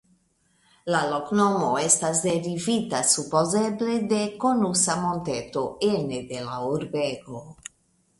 La loknomo estas derivita supozeble de konusa monteto ene de la urbego.